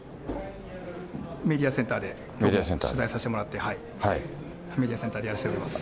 メディアセンターで取材させてもらって、メディアセンターでやらせてもらいます。